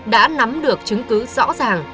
đã nắm được chứng cứ rõ ràng